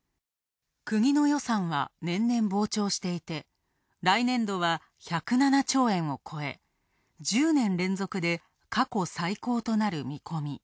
国の予算は年々膨張していて来年度は１０７兆円を超え、１０年連続で過去最高となる見込み。